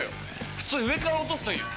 普通上から落とすんよ